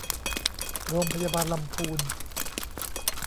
โรงพยาบาลลำพูน